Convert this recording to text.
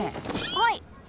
はい！